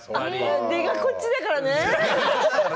出がこっちだからね！